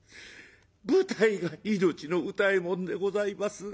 舞台が命の歌右衛門でございます。